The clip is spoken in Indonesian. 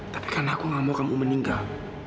karena aku gak mau kamu meninggal